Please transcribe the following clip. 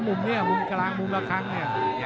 มุมเนี่ยมุมกลางมุมละครั้งเนี่ย